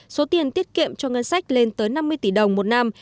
số tiền tiết kiệm cho ngân sách lên tới năm mươi tỷ đồng một năm